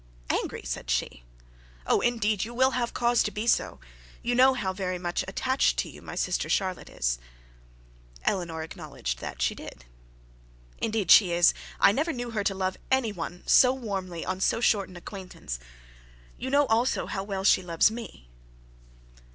'Angry!' said she. 'Oh, indeed you will have cause to do so. You know how very much attached to you my sister Charlotte is.' Eleanor acknowledged that she did. 'Indeed she is; I never knew her to love any one so warmly on so short an acquaintance. You know also how well she loves me?'